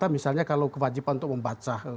misalnya kalau kewajiban untuk membaca